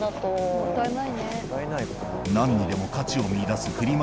何にでも価値を見いだすフリマ